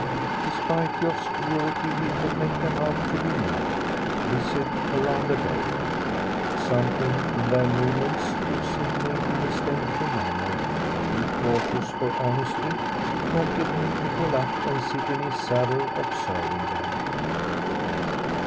Despite the obscurity he could make them out to be men, busied around a boat. Something in their movements, which seemed made in a stealthy manner too cautious for honesty prompted him to pull up, and sit in his saddle observing them.